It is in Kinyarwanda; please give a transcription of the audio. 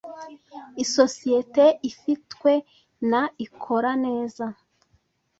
Isosiyete, ifitwe na ikora neza.